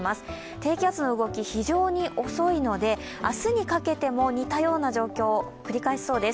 低気圧の動き、非常に遅いので明日にかけても似たような状況を繰り返しそうです。